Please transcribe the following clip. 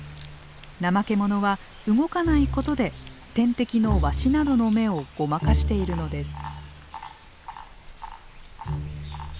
ナマケモノは動かないことで天敵のワシなどの目をごまかしているのです。